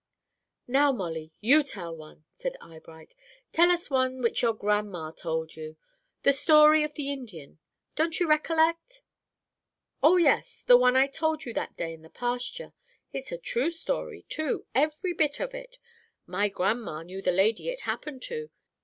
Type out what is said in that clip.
"Now, Molly, you tell one," said Eyebright. "Tell us that one which your grandma told you, the story about the Indian. Don't you recollect?" "Oh, yes; the one I told you that day in the pasture. It's a true story, too, every bit of it. My grandma knew the lady it happened to.